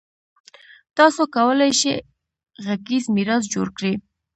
تاسو کولای شئ غږیز میراث جوړ کړئ.